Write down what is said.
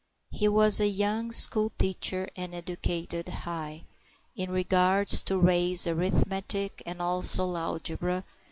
He was a young school teacher, and educated high In regards to Ray's arithmetic, and also Alegbra.